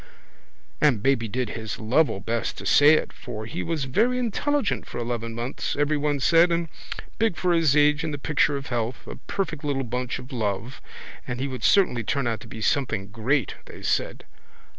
And baby did his level best to say it for he was very intelligent for eleven months everyone said and big for his age and the picture of health, a perfect little bunch of love, and he would certainly turn out to be something great, they said.